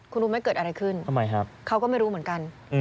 คุณรู้ไหมเกิดอะไรขึ้นทำไมครับเขาก็ไม่รู้เหมือนกัน